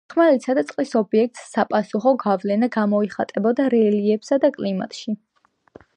ხმელეთისა და წყლის ობიექტის საპასუხო გავლენა გამოიხატება რელიეფსა და კლიმატში.